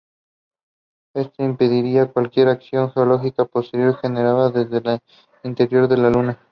Esto impediría cualquier acción geológica posterior generada desde el interior de la Luna.